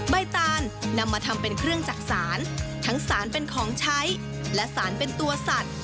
ตานนำมาทำเป็นเครื่องจักษานทั้งสารเป็นของใช้และสารเป็นตัวสัตว์